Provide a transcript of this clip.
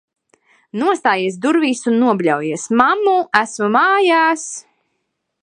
Nostājies durvīs un nobļaujies: "Mammu, esmu mājās!"